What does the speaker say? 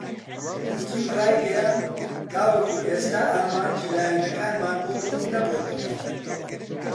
پوتین رایگەیاند تاوەکو ئێستا ئامانجی لایەنەکانمان بۆ رووننەبووەتەوە.